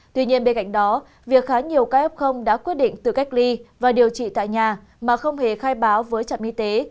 tuy nhiên bên cạnh đó việc khá nhiều ca f đã quyết định tự cách ly và điều trị tại nhà mà không hề khai báo với trạm y tế